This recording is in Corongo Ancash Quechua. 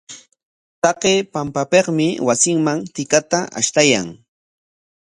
Taqay pampapikmi wasinman tikata ashtaykan.